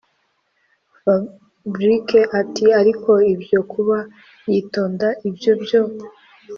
fabric ati”ariko ibyo kuba yitonda ibyo byo